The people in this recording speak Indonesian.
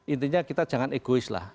intinya kita jangan egois lah